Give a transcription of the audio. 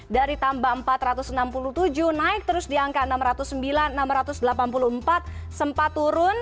dari tambah empat ratus enam puluh tujuh naik terus di angka enam ratus sembilan enam ratus delapan puluh empat sempat turun